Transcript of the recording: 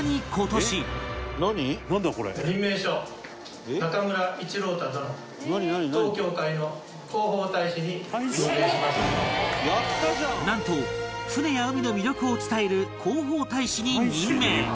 当協会のなんと船や海の魅力を伝える広報大使に任命